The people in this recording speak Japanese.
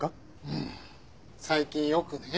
うん最近よくね。